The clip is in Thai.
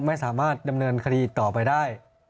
ไม่สามารถดำเนินคดีต่อไปได้